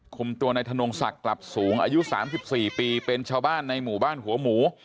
คุมตัวในธนงศักดิ์กลับสูงอายุ๓๔ปีเป็นชาวบ้านในหมู่บ้านหัวหมู